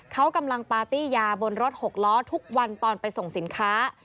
เขากำลังปาร์ตี้ยาบนรถหกล้อทุกวันตอนไปส่งสินค้า